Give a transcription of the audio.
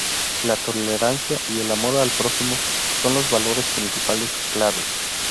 La tolerancia y el amor al prójimo son los valores principales claves.